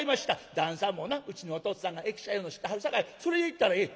旦さんもなうちのおとっつぁんが易者いうの知ってはるさかいそれでいったらええ」。